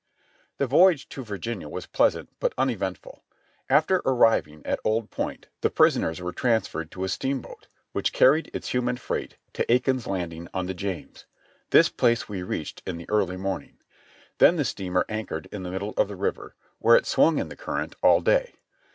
The voyage to Virginia was pleasant but uneventful. After ar riving at Old Point the prisoners were transferred to a steamboat, which carried its human freight to Aiken's Landing on the James. This place we reached in the early morning; then the steamer anchored in the middle of the river, where it swung in the current all day.